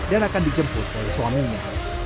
dan akan dijemput oleh suaminya